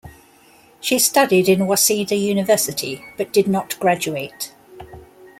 She studied in Waseda University but did not graduate.